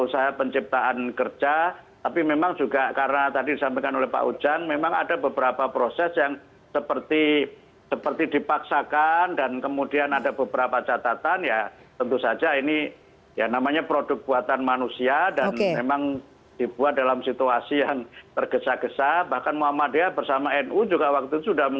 selain itu presiden judicial review ke mahkamah konstitusi juga masih menjadi pilihan pp muhammadiyah